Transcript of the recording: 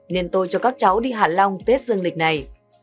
nên tôi cho các cháu đi hạ long tết dương lịch này